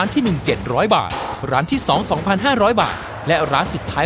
เอ่อจริงก็ชอบเยอะมากเลยนะคะ